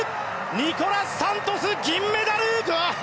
ニコラス・サントス、銀メダル！